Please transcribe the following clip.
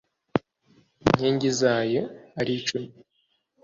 inkingi zayo ari icumi